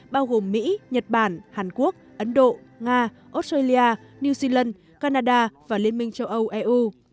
bao gồm mỹ nhật bản hàn quốc ấn độ nga australia new zealand canada và liên minh châu âu eu